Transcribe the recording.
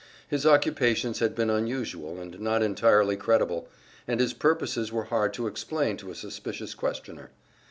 His occupations had been unusual, and not entirely credible, and his purposes were hard to explain to a suspicious questioner.